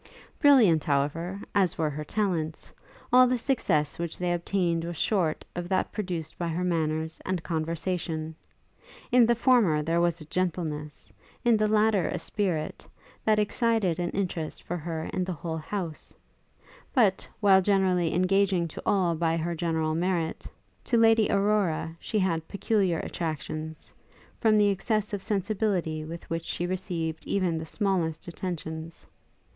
Brilliant, however, as were her talents, all the success which they obtained was short of that produced by her manners and conversation: in the former there was a gentleness, in the latter a spirit, that excited an interest for her in the whole house; but, while generally engaging to all by her general merit, to Lady Aurora she had peculiar attractions, from the excess of sensibility with which she received even the smallest attentions.